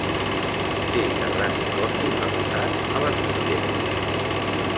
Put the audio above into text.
Té terrat i cossos adossats a les mitgeres.